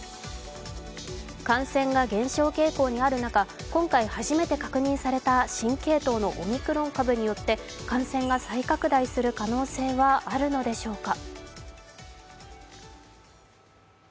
感染が減少傾向にある中、今回初めて確認された新系統のオミクロン株によって感染が再拡大する可能性はあるのでしょうか。